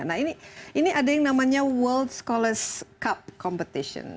nah ini ada yang namanya world scholars cup competition